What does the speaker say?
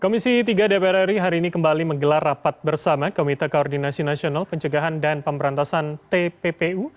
komisi tiga dpr ri hari ini kembali menggelar rapat bersama komite koordinasi nasional pencegahan dan pemberantasan tppu